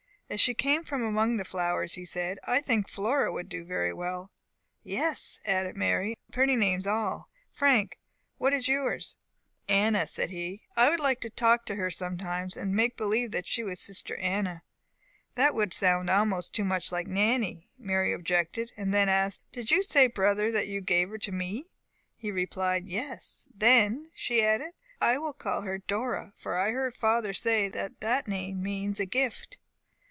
"As she came from among the flowers," he said, "I think Flora would do very well." "Yes," added Mary, "and very pretty names all Frank, what is yours?" "Anna," said he, "I would like to talk to her sometimes, and to make believe that she was Sister Anna." "That would sound almost too much like Nannie," Mary objected, and then asked, "Did you say, brother, that you gave her to me?" He replied, "Yes." "Then," she added, "I will call her Dora, for I heard father say that that name means a gift."